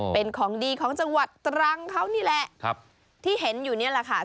เป็นของดีของจังหวัดตรังเขานี่แหละครับที่เห็นอยู่นี่แหละค่ะ